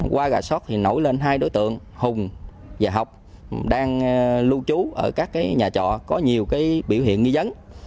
qua gà sót thì nổi lên hai đối tượng hùng và học đang lưu trú ở các nhà trọ có nhiều biểu hiện nghi dấn